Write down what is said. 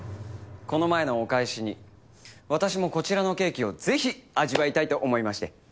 この前のお返しに私もこちらのケーキをぜひ味わいたいと思いまして。